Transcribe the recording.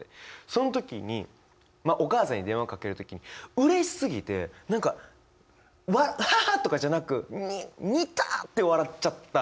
その時にお母さんに電話かける時にうれしすぎて何か「アハハ」とかじゃなく「にたぁ」って笑っちゃった。